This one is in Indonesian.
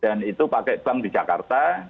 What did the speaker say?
dan itu pakai bank di jakarta